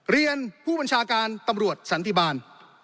เรียนผู้บัญชาการตำรวจสันติบาล